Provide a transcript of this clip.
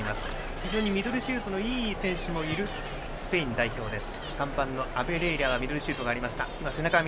非常にミドルシュートのいい選手もいるスペイン代表です。